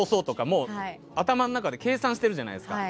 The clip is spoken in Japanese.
もう、頭の中で計算してるじゃないですか。